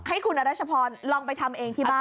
ให้คุณอรัชพรลองไปทำเองที่บ้าน